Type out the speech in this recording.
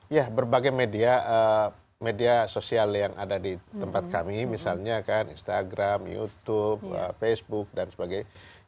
ya berbagai media media sosial yang ada di tempat kami misalnya kan instagram youtube facebook dan sebagainya